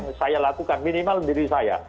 yang saya lakukan minimal diri saya